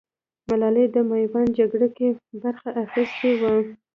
ملالۍ د ميوند جگړه کې برخه اخيستې وه.